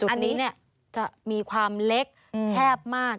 อันนี้จะมีความเล็กแคบมาก